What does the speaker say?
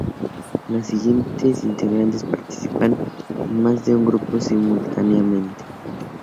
Las siguientes integrantes participan en más de un grupo simultáneamente.